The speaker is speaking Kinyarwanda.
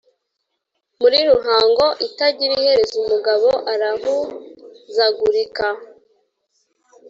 muri ruhago itagira iherezo umugabo arahuzagurika. '